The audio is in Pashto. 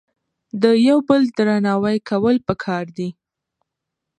د یو بل درناوی کول په کار دي